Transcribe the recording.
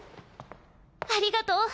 ありがとう。